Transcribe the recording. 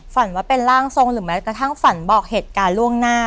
ฝันว่าเป็นร่างทรงหรือแม้กระทั่งฝันบอกเหตุการณ์ล่วงหน้า